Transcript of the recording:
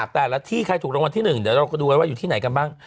แต่ละที่ใครถูกรางวัลที่๑เดี๋ยวเราก็ดูไว้ว่าอยู่ที่ไหนกันบ้าง